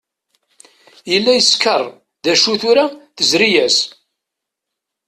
Yella yeskeṛ, d acu tura tezri-as.